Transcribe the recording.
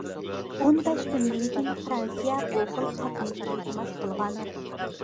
ئون بەش كۈندىن كېيىن فىرانسىيە بۇ خىل پاتېنتنى ئىلتىماس قىلغان.